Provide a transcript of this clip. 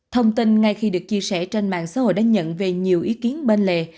thông tin ngay khi được chia sẻ trên mạng xã hội đã nhận về nhiều ý kiến bên lề